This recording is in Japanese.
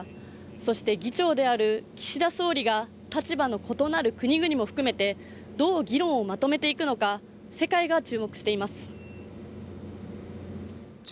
そして議長である岸田総理が、立場の異なる国々も含めてどう議論をまとめていくのか、世界が注目しています。